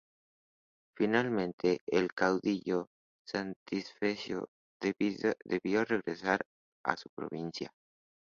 Finalmente, el caudillo santafesino debió regresar a su provincia.